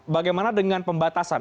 bagaimana dengan pembatasan